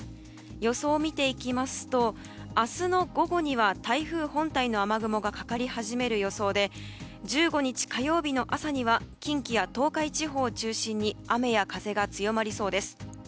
予想を見ていきますと明日の午後には台風本体の雨雲がかかり始める予想で１５日火曜日の朝には近畿や東海地方を中心に雨や風が強まりそうです。